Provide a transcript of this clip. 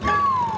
lo diam aja